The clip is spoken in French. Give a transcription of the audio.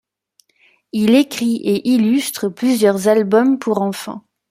Il écrit et illustre plusieurs albums pour enfants.